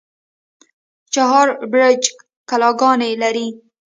چهار برجک کلاګانې لري؟